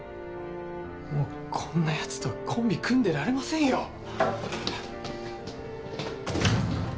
もうこんなやつとはコンビ組んでられませんよ。